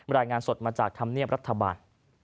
รายงานสดมาจากธรรมเนียบรัฐบาล